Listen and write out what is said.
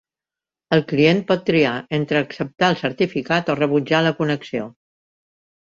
El client pot triar entre acceptar el certificat o rebutjar la connexió.